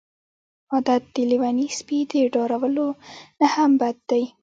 عادت د لیوني سپي د داړلو نه هم بد دی.